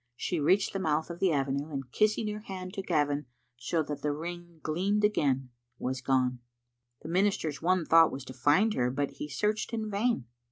She reached the mouth of the avenue, and kissing her hand to Gavin, so that the ring gleamed again, was gone. The minister's one thought was to find her, but he searched in vain.